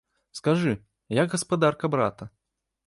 Скажы, як гаспадарка брата?